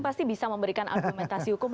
pasti bisa memberikan argumentasi hukum